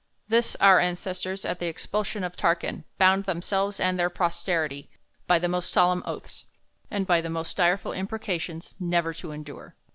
This our ancestors, at the expulsion of Tarquin, bound themselves and their posterity, by the most solemn oaths, and by the most direful imprecations, never to endure.